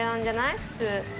普通。